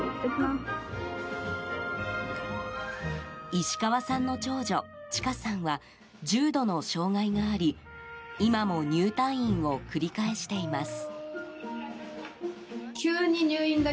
石川さんの長女・知果さんは重度の障害があり今も入退院を繰り返しています。